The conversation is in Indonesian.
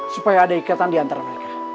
supaya ada ikatan diantara mereka